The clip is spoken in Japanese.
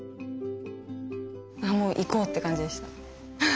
ああもう行こうって感じでした。